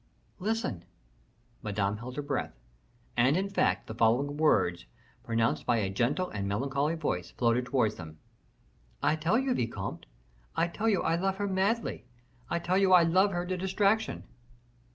"Listen." Madame held her breath; and, in fact, the following words pronounced by a gentle and melancholy voice, floated towards them: "I tell you, vicomte, I tell you I love her madly; I tell you I love her to distraction."